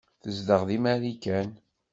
Tezdeɣ deg Marikan.